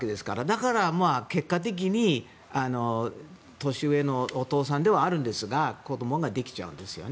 だから結果的に年上のお父さんではあるんですが子どもができちゃうんですよね。